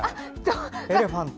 エレファント。